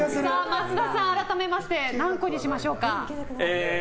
増田さん、改めまして何個にしましょうか？